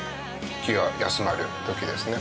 気が休まる時ですね。